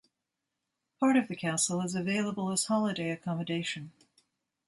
Part of the castle is available as holiday accommodation.